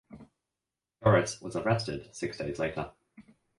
Joris was arrested six days later.